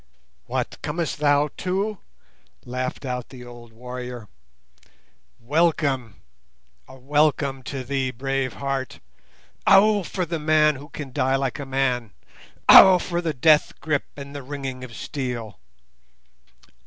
"What, comest thou too?" laughed out the old warrior. "Welcome—a welcome to thee, brave heart! Ow! for the man who can die like a man; ow! for the death grip and the ringing of steel.